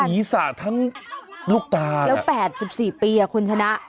ศีรษะทั้งลูกตาแล้ว๘๔ปีคุณชนะ